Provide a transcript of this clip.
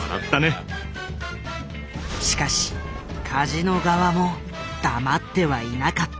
しかしカジノ側も黙ってはいなかった。